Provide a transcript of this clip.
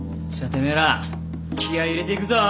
てめえら気合入れていくぞ。